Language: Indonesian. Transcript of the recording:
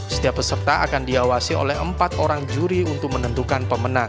setiap peserta akan diawasi oleh empat orang juri untuk menentukan pemenang